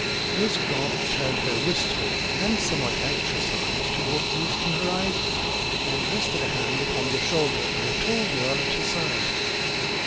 Miss Grant turned her wistful and somewhat anxious eyes toward the eastern horizon, and rested a hand upon the shoulder of a tall girl at her side.